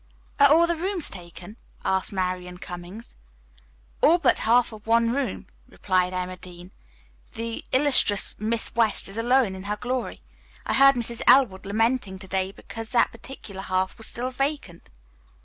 "Are all the rooms taken?" asked Marian Cummings. "All but half of one room," replied Emma Dean. "The illustrious Miss West is alone in her glory. I heard Mrs. Elwood lamenting to day because that particular half was still vacant."